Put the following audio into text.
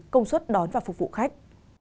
công suất đón và phục vụ khách